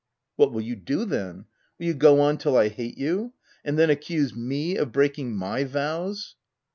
" What will you do then ? Will you go on till I hate you ; and then accuse me of breaking my vows?"